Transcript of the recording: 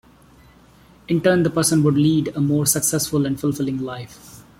In turn, the person would lead a more successful and fulfilling life.